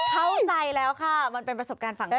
เข้าใจแล้วค่ะมันเป็นประสบการณ์ฝั่งใจ